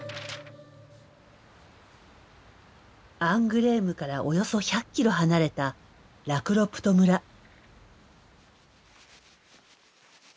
アングレームからおよそ１００キロ離れたラクロプト村。